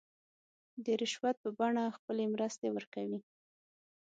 د رشوت په بڼه خپلې مرستې ورکوي.